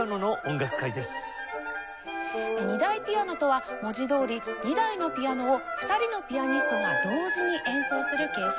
２台ピアノとは文字どおり２台のピアノを２人のピアニストが同時に演奏する形式です。